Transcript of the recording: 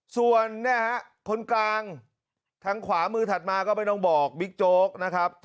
ส่วนคนกลางทางขวามือถัดมาก็ไม่ต้องบอกบิ๊กโจ๊กนะครับ